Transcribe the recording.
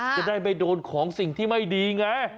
จะได้ไม่โดนของสิ่งที่ไม่ดีไง